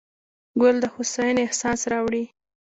ګل د هوساینې احساس راوړي.